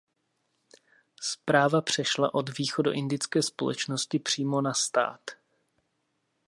Správa přešla od východoindické společnosti přímo na stát.